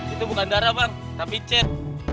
itu bukan darah bang tapi cet